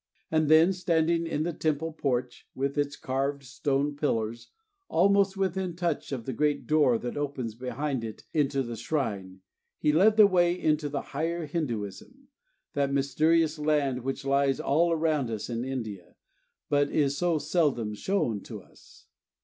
And then, standing in the Temple porch with its carved stone pillars, almost within touch of the great door that opens behind into the shrine, he led the way into the Higher Hinduism that mysterious land which lies all around us in India, but is so seldom shown to us.